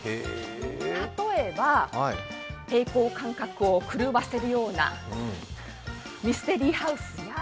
例えば、平衡感覚を狂わせるようなミステリーハウス。